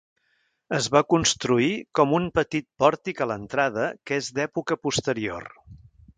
Es va construir com un petit pòrtic a l'entrada que és d'època posterior.